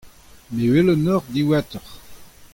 Me a welo ac'hanoc'h diwezhatoc'h.